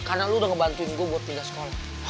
karena lo udah ngebantuin gue buat pindah sekolah